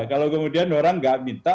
kalau kemudian orang nggak minta